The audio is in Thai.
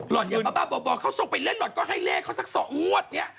หล่อนอย่าปะบ้าบ่อบอกเขาส่งไปเล่นหล่อนก็ให้เลขเขาสักสองงวดเนี่ย